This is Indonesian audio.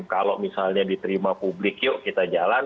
kalau misalnya diterima publik yuk kita jalan